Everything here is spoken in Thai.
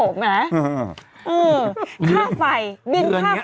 ค่าไฟบินค่าไฟสะดุ้ง